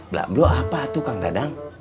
blak blok apa tuh kang dadang